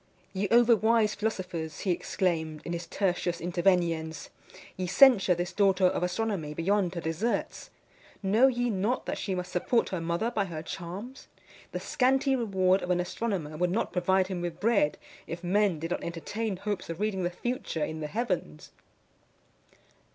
"Ye overwise philosophers," he exclaimed, in his Tertius Interveniens; "ye censure this daughter of astronomy beyond her deserts! Know ye not that she must support her mother by her charms? The scanty reward of an astronomer would not provide him with bread, if men did not entertain hopes of reading the future in the heavens."